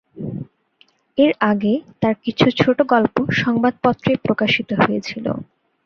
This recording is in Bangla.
এর আগে তাঁর কিছু ছোট গল্প সংবাদপত্রে প্রকাশিত হয়েছিল।